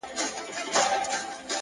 د زړه سکون له پاک نیت راټوکېږي!.